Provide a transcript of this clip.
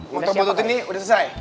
motor motor ini udah selesai